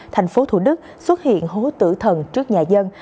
thành phố thủ đức xuất hiện hố tử thần trước nhà dân